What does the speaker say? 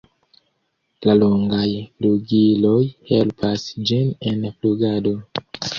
La longaj flugiloj helpas ĝin en flugado.